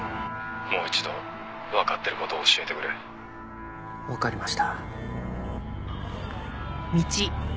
「もう一度わかってる事を教えてくれ」わかりました。